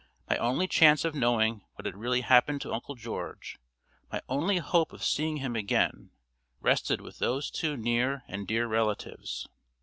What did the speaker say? My only chance of knowing what had really happened to Uncle George, my only hope of seeing him again, rested with those two near and dear relatives.